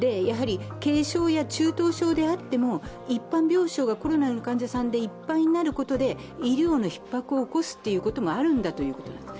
やはり軽症や中等症であっても一般病床がコロナの患者さんでいっぱいになることで医療のひっ迫を起こすこともあるんだということ。